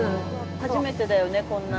初めてだよねこんなんね